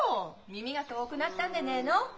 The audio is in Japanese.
耳が遠ぐなったんでねえの？